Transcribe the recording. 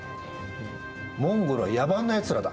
モンゴルは野蛮なやつらだ。